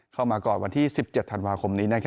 เข้ามาก่อนวันที่๑๗ธันวาคมนี้